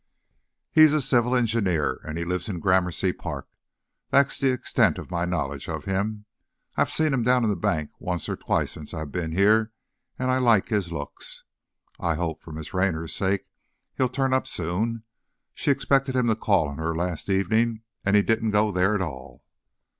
"He's a civil engineer and he lives in Gramercy Park. That's the extent of my knowledge of him. I've seen him down in the bank once or twice since I've been here, and I like his looks. I hope, for Miss Raynor's sake, he'll turn up soon. She expected him to call on her last evening and he didn't go there at all."